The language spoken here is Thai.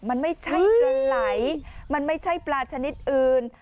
มันไม่ใช่ปลาไหลมันไม่ใช่ปลาชนิดอื่น